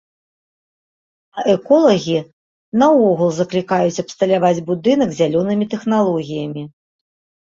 А эколагі наогул заклікаюць абсталяваць будынак зялёнымі тэхналогіямі.